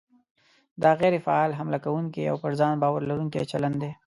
دا غیر فعال، حمله کوونکی او پر ځان باور لرونکی چلند دی.